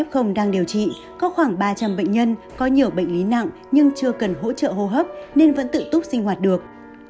trong năm trăm linh f đang điều trị có khoảng ba trăm linh bệnh nhân có nhiều bệnh lý nặng nhưng chưa cần hỗ trợ hô hấp nên vẫn tự túc sinh hoạt được